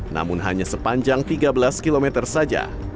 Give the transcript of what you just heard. namun hanya sepanjang tiga belas km saja